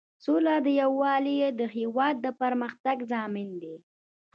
سوله او یووالی د هیواد د پرمختګ ضامن دی.